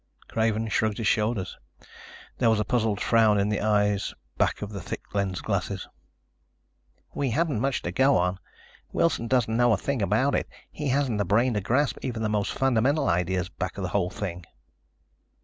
Craven shrugged his shoulders. There was a puzzled frown in the eyes back of the thick lensed glasses. "We haven't much to go on. Wilson doesn't know a thing about it. He hasn't the brain to grasp even the most fundamental ideas back of the whole thing."